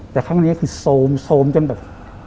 แต่ครั้งนี้คือโซมจนแบบ